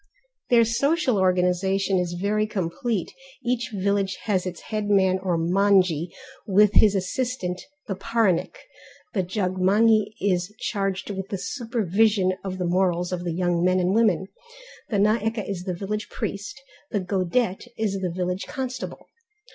Their social organization is very complete; each village has its headman or manjhi, with his assistant the paranik; the jogmanghi is charged with the supervision of the morals of the young men and women; the naeke is the village priest, the godet is the village constable.